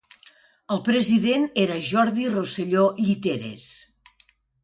El president era Jordi Rosselló Lliteres.